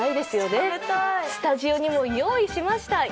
スタジオにも用意しました。